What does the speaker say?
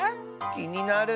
きになる。